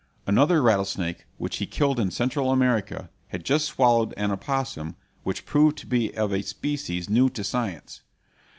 Another rattlesnake which he killed in Central America had just swallowed an opossum which proved to be of a species new to science.